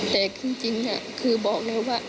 แต่จริงอ่ะคือบอกเลยว่า